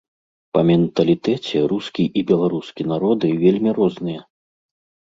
Па менталітэце рускі і беларускі народы вельмі розныя.